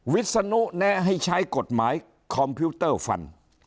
วิศนุแนะให้ใช้กฎหมายคอมพิวเตอร์ฟัน